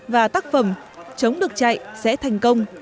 và tác phẩm chống được chạy sẽ thành công